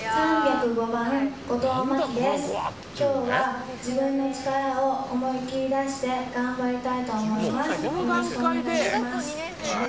今日は自分の力を思い切り出して頑張りたいと思います。